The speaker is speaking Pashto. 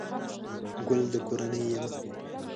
گل دکورنۍ يمه